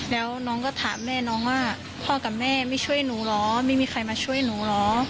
แล้วน้องก็ถามแม่น้องว่าพ่อกับแม่ไม่ช่วยหนูเหรอไม่มีใครมาช่วยหนูเหรอ